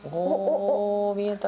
お、見えた。